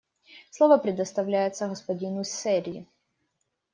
Слово предоставляется господину Серри.